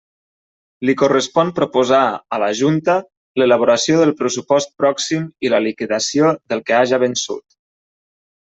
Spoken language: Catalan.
Li correspon proposar a la Junta l'elaboració del pressupost pròxim i la liquidació del que haja vençut.